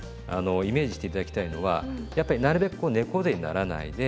イメージして頂きたいのはやっぱりなるべくこう猫背にならないで。